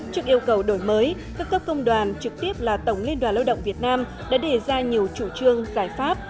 trước yêu cầu đổi mới các cấp công đoàn trực tiếp là tổng liên đoàn lao động việt nam đã đề ra nhiều chủ trương giải pháp